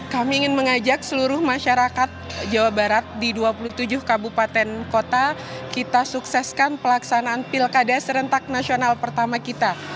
kami ingin mengajak seluruh masyarakat jawa barat di dua puluh tujuh kabupaten kota kita sukseskan pelaksanaan pilkada serentak nasional pertama kita